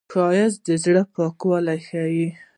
ښایست د زړه پاکوالی ښيي